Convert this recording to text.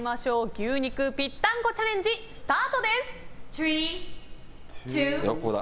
牛肉ぴったんこチャレンジスタートです！